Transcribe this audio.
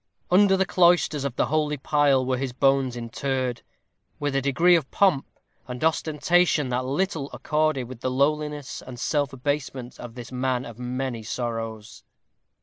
Under the cloisters of the holy pile were his bones interred, with a degree of pomp and ostentation that little accorded with the lowliness and self abasement of this man of many sorrows.